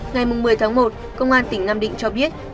ngày một mươi tháng một công an tỉnh nam định cho biết